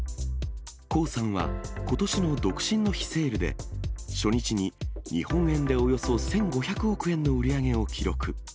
黄さんはことしの独身の日セールで、初日に日本円でおよそ１５００億円の売り上げを記録。